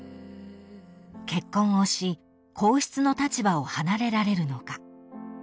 ［結婚をし皇室の立場を離れられるのか］